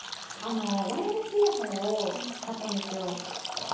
ワイヤレスイヤホンを買ったんですよ。